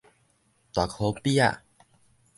大箍鱉仔